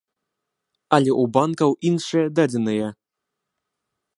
Але ў банкаў іншыя дадзеныя.